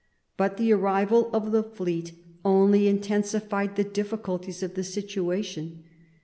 But the arrival of the fleet only intensi fied the difficulties of the situation.